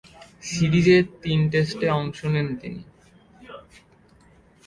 সিরিজের তিন টেস্টে অংশ নেন তিনি।